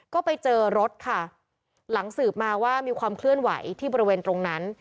ก็ไปเจอรถค่ะหลังสืบมาว่ามีความเคลื่อนไหวที่บริเวณตรงนั้น